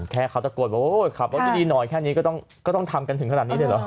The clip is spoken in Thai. แค่เขาจะกลัวว่าโอ้ยครับว่าดีหน่อยแค่นี้ก็ต้องทำกันถึงขนาดนี้ด้วยเหรอ